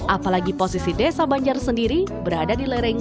apalagi posisi desa banjar sendiri berada di lereng